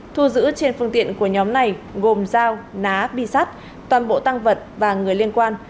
thu giữ trên phương tiện của nhóm này gồm dao ná bi sắt toàn bộ tăng vật và người liên quan